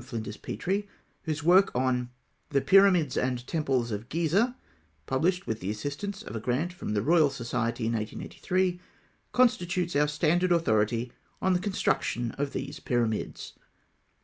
Flinders Petrie, whose work on The Pyramids and Temples of Gizeh, published with the assistance of a grant from the Royal Society in 1883, constitutes our standard authority on the construction of these Pyramids.